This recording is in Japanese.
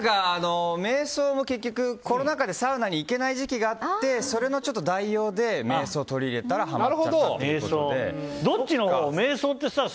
瞑想も結局コロナ禍でサウナに行けない時期があってそれの代用で瞑想を取り入れたらハマっちゃったということで。